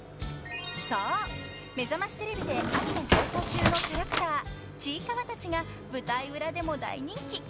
［そう『めざましテレビ』でアニメ放送中のキャラクターちいかわたちが舞台裏でも大人気］